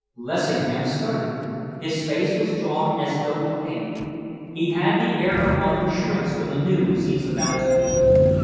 Lessingham started, His face was drawn as though with pain. He had the air of one who shrinks from the news he is about to hear.